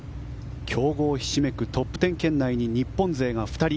強豪ひしめくトップ１０圏内に日本勢が２人。